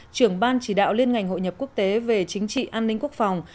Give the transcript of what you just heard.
trưởng ban chỉ đạo liên ngành hội nhập quốc tế về chính trị an ninh quốc phòng